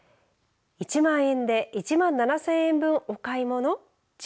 １万円で１万７０００円分お買い物？